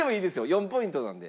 ４ポイントなので。